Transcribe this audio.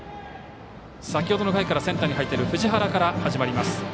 先ほどの回からセンターに入っている藤原から始まります。